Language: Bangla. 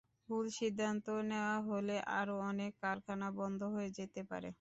ভুল সিদ্ধান্ত নেওয়া হলে আরও অনেক কারখানা বন্ধ হয়ে যেতে পারে।